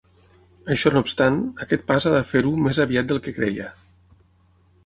Això no obstant, aquest pas ha de fer-ho més aviat del que creia.